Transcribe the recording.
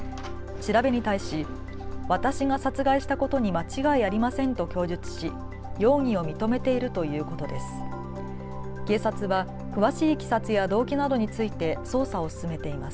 調べに対し私が殺害したことに間違いありませんと供述し容疑を認めているということです。